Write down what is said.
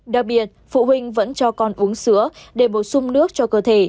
đặc biệt phụ huynh vẫn cho con uống sữa để bổ sung nước cho cơ thể